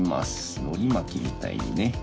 のりまきみたいにね。